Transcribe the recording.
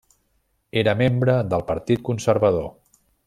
Era membre del partit conservador.